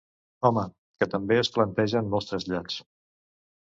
Home, que també es plantegen molts trasllats.